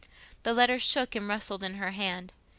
The letter shook and rustled in her hand.